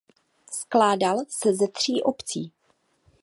Skládal se ze tří obcí.